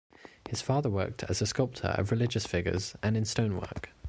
His father worked as a sculptor of religious figures, and in stone work.